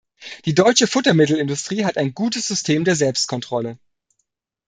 Die deutsche Futtermittelindustrie hat ein gutes System der Selbstkontrolle.